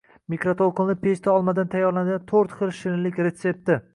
Mikroto‘lqinli pechda olmadan tayyorlanadiganto´rtxil shirinlik retsepti